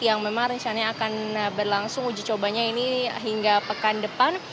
yang memang rencananya akan berlangsung uji cobanya ini hingga pekan depan